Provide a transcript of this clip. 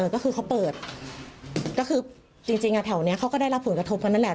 ก็คือเขาเปิดก็คือจริงแถวนี้เขาก็ได้รับผลกระทบกันนั่นแหละ